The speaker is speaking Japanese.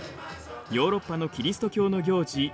ヨーロッパのキリスト教の行事